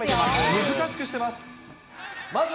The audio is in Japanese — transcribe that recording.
難しくしてます。